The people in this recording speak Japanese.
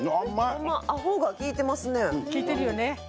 アホが利いてますね。